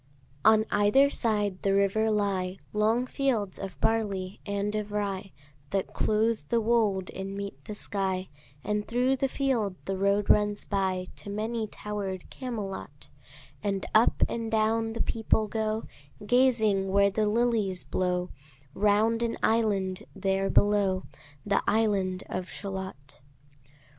On either side the river lie Long fields of barley and of rye, That clothe the wold and meet the sky; And thro' the field the road runs by To many tower'd Camelot; And up and down the people go, Gazing where the lilies blow Round an island there below, The island of Shalott.